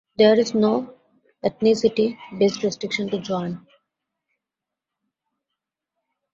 There is no ethnicity based restriction to join.